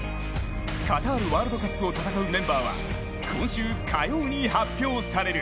カタールワールドカップを戦うメンバーは今週火曜に発表される。